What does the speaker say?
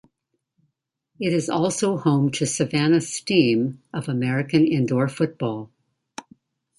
It is also home to the Savannah Steam of American Indoor Football.